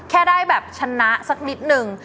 แค่ได้แบบชนะสักนิดนึง